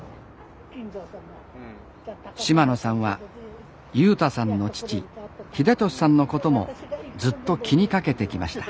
島野さんは優太さんの父英俊さんのこともずっと気に掛けてきました。